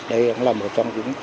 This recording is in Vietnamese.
đây là một trong những